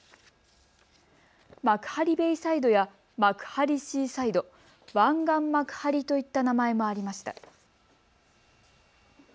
幕張ベイサイドや幕張シーサイド、湾岸幕張といった名前もありました。